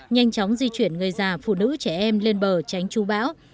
nhanh chóng di chuyển người già phụ nữ trẻ em lên bờ tránh chú bão